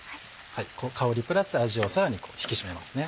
香りプラス味をさらに引き締めます。